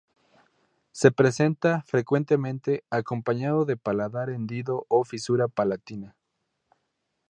Se presenta, frecuentemente, acompañado de paladar hendido o fisura palatina.